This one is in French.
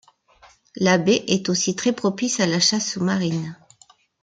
La baie est aussi très propice à la chasse sous-marine.